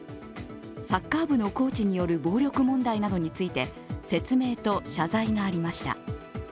サッカー部のコーチによる暴力問題などについて説明と謝罪がありました。